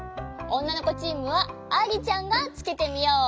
おんなのこチームはあいりちゃんがつけてみよう。